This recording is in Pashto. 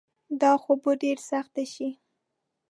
دا خو به ډیره سخته شي